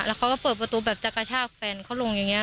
เขาก็เปิดประตูแบบจะกระชากแฟนเขาลงอย่างนี้